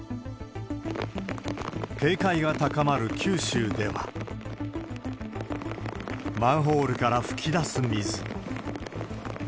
警戒が高まる九州では、マンホールから噴き出す水。